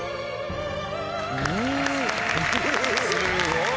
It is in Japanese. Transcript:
すごい！